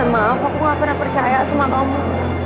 maaf aku gak pernah percaya sama kamu